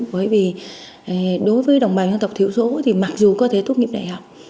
bởi vì đối với đồng bào dân tộc thiểu số thì mặc dù có thể tốt nghiệp đại học